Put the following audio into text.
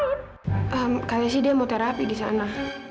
kayaknya sih dia mau terapi disana